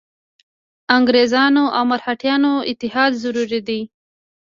انګرېزانو او مرهټیانو اتحاد ضروري دی.